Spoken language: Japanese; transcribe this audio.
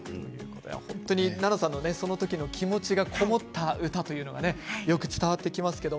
奈々さんの、その時の気持ちが籠もった歌というのが伝わってきます。